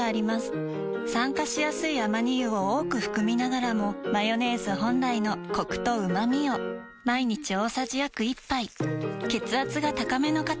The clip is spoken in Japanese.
酸化しやすいアマニ油を多く含みながらもマヨネーズ本来のコクとうまみを毎日大さじ約１杯血圧が高めの方に機能性表示食品